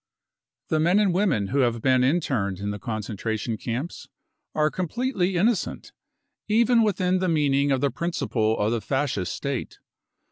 35 The men and women who have been interned in the concentration camps are completely innocent, even within the meaning of the prin ciple of the Fascist State.